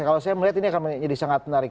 kalau saya melihat ini akan menjadi sangat menarik